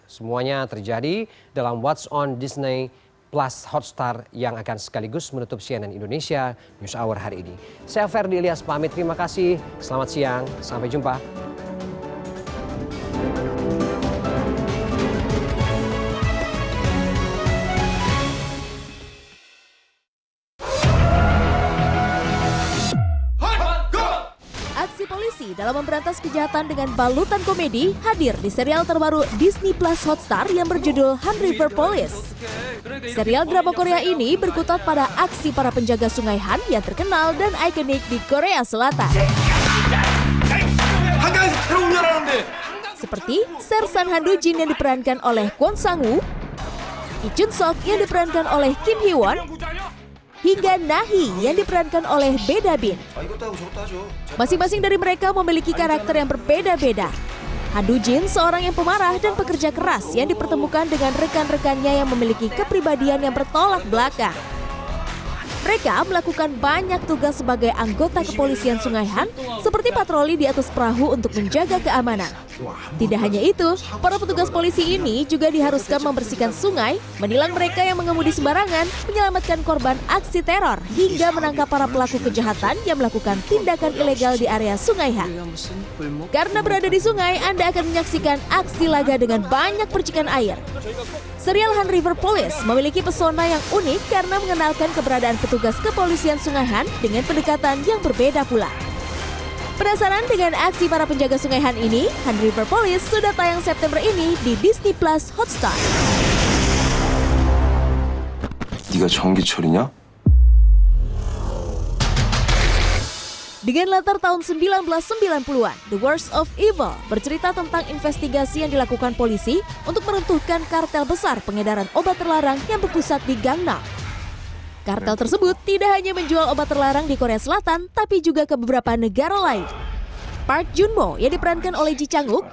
semuanya terjadi dalam what's on disney plus hotstar yang akan sekaligus menutup cnn indonesia news hour hari ini